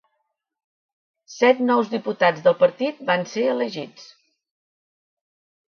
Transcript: Set nous diputats del partit van ser elegits.